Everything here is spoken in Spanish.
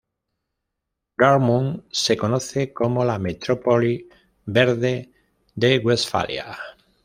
Dortmund se conoce como la "metrópoli verde" de Westfalia.